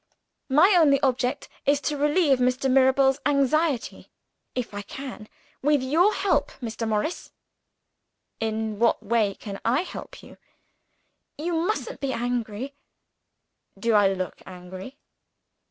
"My only object is to relieve Mr. Mirabel's anxiety, if I can with your help, Mr. Morris." "In what way can I help you?" "You mustn't be angry." "Do I look angry?"